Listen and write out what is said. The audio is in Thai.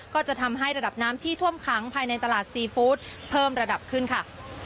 ก็จะทำให้ระดับน้ำที่ท่วมขังภายในตลาดซีฟู้ดเพิ่มระดับขึ้นค่ะ